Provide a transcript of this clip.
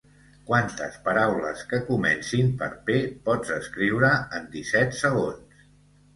Quantes paraules que comencin per p pots escriure en disset segons?